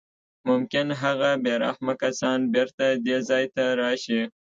ممکن هغه بې رحمه کسان بېرته دې ځای ته راشي